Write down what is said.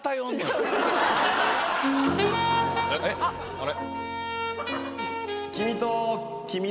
あれ？